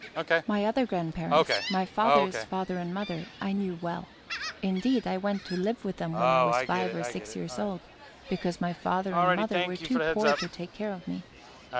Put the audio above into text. My other grandparents, my father's father and mother, I knew well. Indeed, I went to live with them when I was five or six years old, because my father and mother were too poor to take care of me.